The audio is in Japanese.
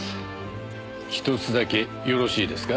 ひとつだけよろしいですか？